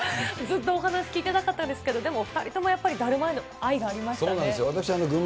ずっとお話聞いてたかったですけど、でも２人ともやっぱり、だるまへの愛がありましたね。